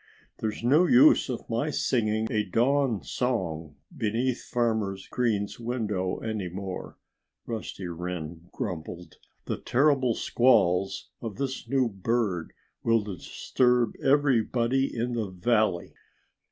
"There's no use of my singing a dawn song beneath Farmer Green's window any more," Rusty Wren grumbled. "The terrible squalls of this new bird will disturb everybody in the valley."